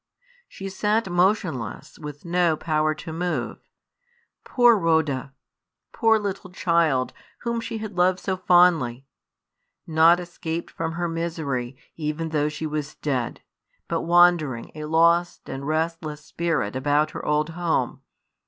She sat motionless, with no power to move. Poor Rhoda! poor little child, whom she had loved so fondly! Not escaped from her misery, even though she was dead; but wandering, a lost and restless spirit, about her old home!